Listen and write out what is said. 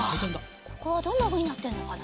ここはどんなふうになってるのかな。